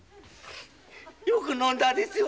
よく飲んだですよ